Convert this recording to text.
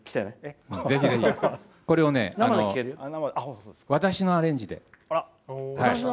それを私のアレンジで。